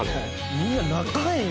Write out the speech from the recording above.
みんな仲ええな。